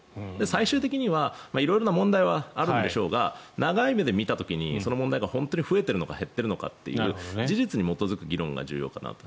最終的には色んな問題はあると思いますが長い目で見た時にその問題が本当に増えているのか減っているのかという事実に基づく議論が必要かなと。